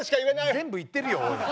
全部言ってるよおい。